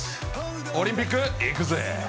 オリンピック、行くぜ。